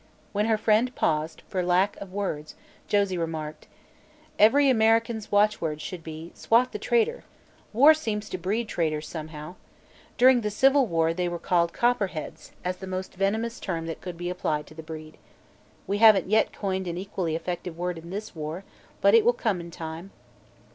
When her friend paused for lack of words, Josie remarked: "Every American's watchword should be: 'Swat the traitor!' War seems to breed traitors, somehow. During the Civil War they were called 'copperheads,' as the most venomous term that could be applied to the breed. We haven't yet coined an equally effective word in this war, but it will come in time.